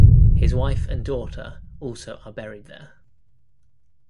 His wife and daughter also are buried there.